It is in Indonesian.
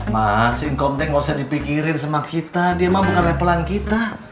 ma si ngkom deh nggak usah dipikirin sama kita dia mah bukan levelan kita